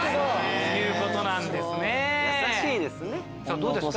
どうですか？